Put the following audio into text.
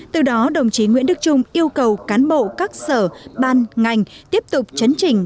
từ đó đồng chí nguyễn đức trung yêu cầu cán bộ các sở ban ngành tiếp tục chấn trình